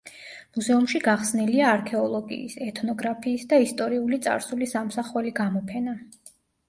მუზეუმში გახსნილია არქეოლოგიის, ეთნოგრაფიის და ისტორიული წარსულის ამსახველი გამოფენა.